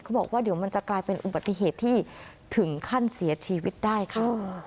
บอกว่าเดี๋ยวมันจะกลายเป็นอุบัติเหตุที่ถึงขั้นเสียชีวิตได้ค่ะ